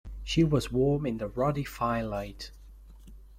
She was warm in the ruddy firelight.